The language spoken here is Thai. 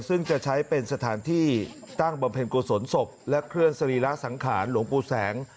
ซึ่งจะใช้เป็นสถานที่ตั้งบำเพ็ญกุศลศพและเคลื่อนสรีระสังขารหลวงปู่แสง